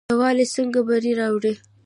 یووالی څنګه بری راوړي؟